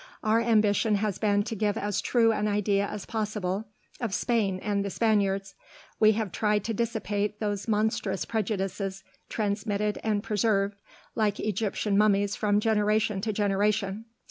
Our ambition has been to give as true an idea as possible of Spain and the Spaniards. We have tried to dissipate those monstrous prejudices transmitted and preserved like Egyptian mummies from generation to generation.